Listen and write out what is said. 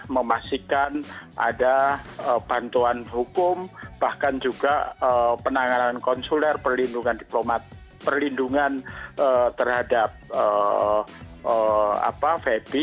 memastikan ada bantuan hukum bahkan juga penanganan konsuler perlindungan terhadap febi